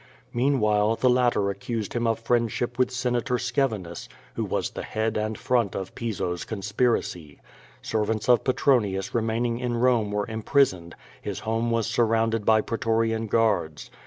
Meanwhile, the latter accused him of friendship with Senator Scevinus, who was the head and front of Piso's conspiracy. Sen^ants of Pe tronius remaining in Bome were imprisoned, his home w^as surrounded by pretorian guards.